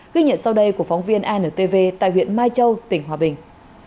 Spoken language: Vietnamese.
ghi nhận sau đây của phóng viên antv tại huyện mai châu tỉnh hòa bình